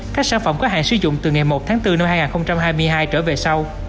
các sản phẩm có hàng sử dụng từ ngày một tháng bốn năm hai nghìn hai mươi hai trở về sau